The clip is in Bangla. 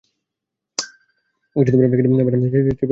মিসেস বুলকে আমি যেটি পাঠিয়েছি, সেটি পেয়ে তিনি ভারি আনন্দিত।